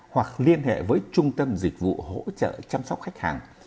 hoặc liên hệ với trung tâm dịch vụ hỗ trợ chăm sóc khách hàng